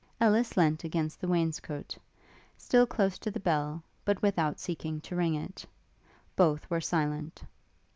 Ellis leant against the wainscoat, still close to the bell, but without seeking to ring it. Both were silent.